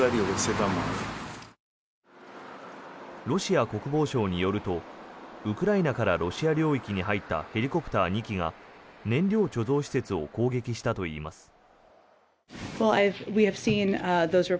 ロシア国防省によるとウクライナからロシア領域に入ったヘリコプター２機が燃料貯蔵施設を攻撃したといいます。